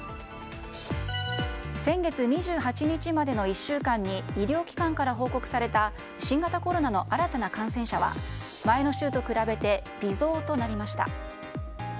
先月２８日までの１週間に医療機関から報告された新型コロナの新たな感染者は前の週と比べて微増となりました。